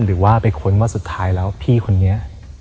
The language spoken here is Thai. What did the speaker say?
หรือว่าไปค้นว่าสุดท้ายแล้วพี่คนนี้